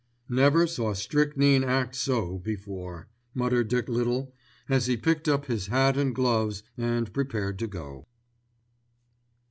"Never saw strychnine act so before," muttered Dick Little as he picked up his hat and gloves and prepared to go.